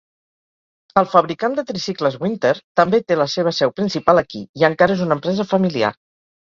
El fabricant de tricicles Winther també té la seva seu principal aquí, i encara és una empresa familiar.